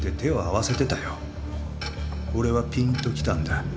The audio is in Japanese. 俺はピンときたんだ。